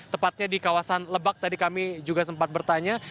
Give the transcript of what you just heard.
tepatnya di kawasan lebak tadi kami juga sempat bertanya